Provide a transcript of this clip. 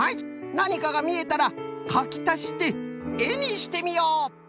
なにかがみえたらかきたしてえにしてみよう。